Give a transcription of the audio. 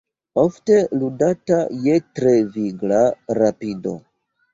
Ofte ludata je tre vigla rapido.